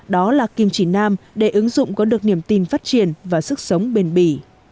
đó là kim chỉ nam để ứng dụng có được niềm tin phát triển và sức sống bền bỉ